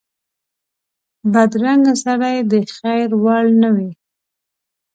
بدرنګه سړی د خیر وړ نه وي